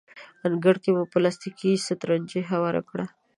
انګړ کې مو پلاستیکي سترنجۍ هواره کړه.